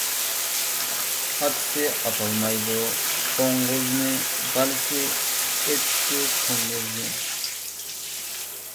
ئاتىسى ئاتالمايدۇ قوڭغۇزنى، بالىسى ئېتىپتۇ توڭگۇزنى.